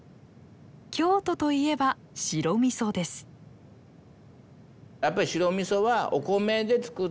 京都といえば白みそです